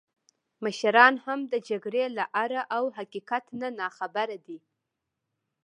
مشران هم د جګړې له آره او حقیقت نه ناخبره دي.